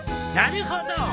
なるほど。